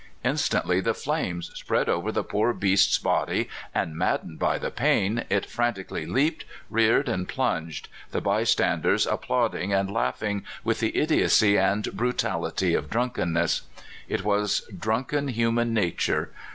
Instantly the flames spread over the poor beast's body, and maddened by the pain, it fran tically leaped, reared, and plunged, the bystand ers applauding and laughing with the idiocy and brutality of drunkenness. It was drunken human nature.